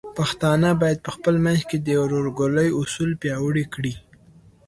پښتانه بايد په خپل منځ کې د ورورګلوۍ اصول پیاوړي کړي.